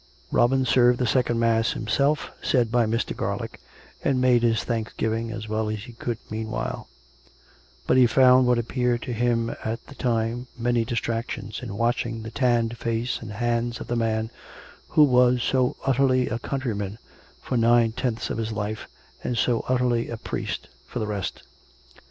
... Robin served the second mass himself, said by Mr. Gar lick, and made his thanksgiving as well as he could mean while ; but he found what appeared to him at the time many distractions, in watching the tanned face and hands of the man who was so utterly a countryman for nine tenths of his life, and so utterly a priest for the rest.